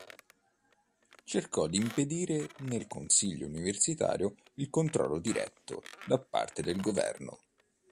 Cercò di impedire nel Consiglio universitario il controllo diretto da parte del governo.